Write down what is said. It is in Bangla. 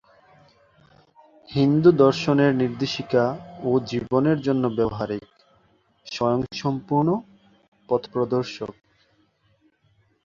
হিন্দু দর্শনের নির্দেশিকা ও জীবনের জন্য ব্যবহারিক, স্বয়ংসম্পূর্ণ পথপ্রদর্শক।